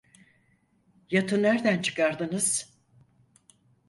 Yatı nerden çıkardınız?